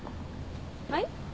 はい？